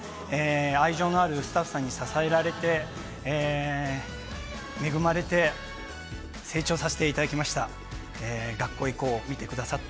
愛情のあるスタッフさんに支えられて恵まれて成長させていただきました。